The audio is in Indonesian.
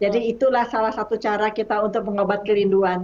jadi itulah salah satu cara kita untuk mengobat kelinduan